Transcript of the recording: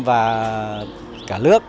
và cả nước